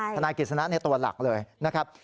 ใช่ทนายกฤษณะในตัวหลักเลยนะครับ